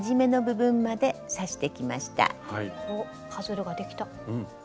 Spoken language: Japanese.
おっパズルができた。